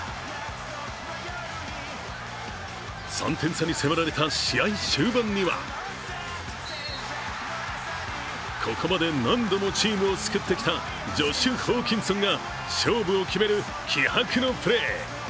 ３点差に迫られた試合終盤にはここまで何度もチームを救ってきたジョシュ・ホーキンソンが勝負を決める気迫のプレー。